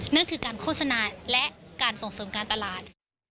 นั่นคือการโฆษณาและการส่งเสริมการตลาด